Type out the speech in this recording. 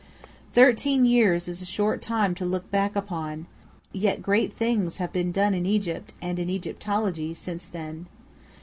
Thirteen years is a short time to look back upon; yet great things have been done in Egypt, and in Egyptology, since then.